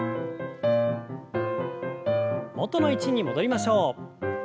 元の位置に戻りましょう。